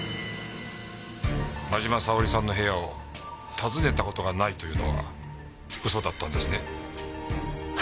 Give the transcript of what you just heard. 真嶋沙織さんの部屋を訪ねた事がないというのは嘘だったんですね。